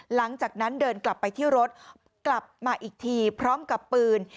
หลังจากนั้นเดินกลับไปที่รถกลับมาอีกทีพร้อมกับปืน